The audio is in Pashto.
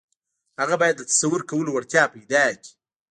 هغه بايد د تصور کولو وړتيا پيدا کړي.